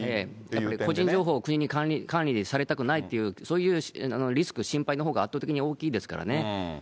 やっぱり個人情報を国に管理されたくないっていう、そういうリスク、心配のほうが圧倒的に大きいですからね。